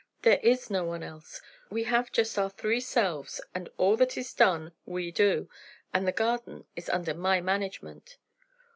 "There is no one else. We have just our three selves; and all that is done we do; and the garden is under my management."